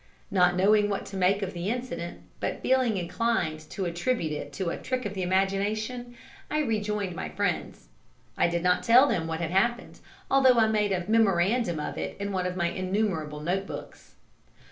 Not knowing what to make of the incident, but feeling inclined to attribute it to a trick of the imagination, I rejoined my friends. I did not tell them what had happened, although I made a memorandum of it in one of my innumerable notebooks.